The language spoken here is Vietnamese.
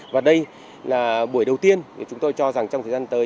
và đây là buổi đầu tiên chúng tôi cho rằng trong thời gian tới